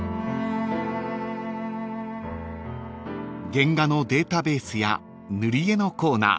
［原画のデータベースや塗り絵のコーナー］